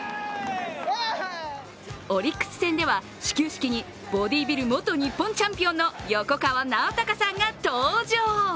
オリックス戦では始球式にボディビル元日本チャンピオンの横川尚隆さんが登場。